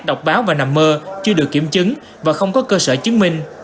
đọc báo và nằm mơ chưa được kiểm chứng và không có cơ sở chứng minh